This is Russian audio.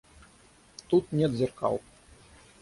— Тут нет зеркал.